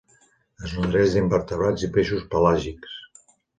Es nodreix d'invertebrats i peixos pelàgics.